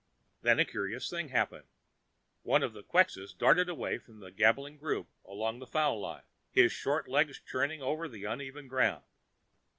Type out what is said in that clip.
Then a curious thing happened. One of the Quxas darted away from the gabbling group along the foul line, his short legs churning over the uneven ground.